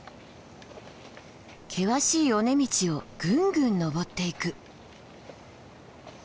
険しい尾根道をぐんぐん登っていく。